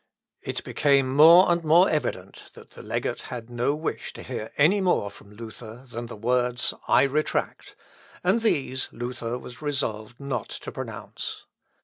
It became more and more evident that the legate had no wish to hear any more from Luther than the words "I retract;" and these Luther was resolved not to pronounce.